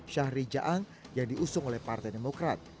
syahri jaang yang diusung oleh partai demokrat